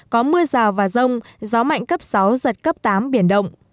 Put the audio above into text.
có mưa rào và rông gió mạnh cấp sáu giật cấp tám biển động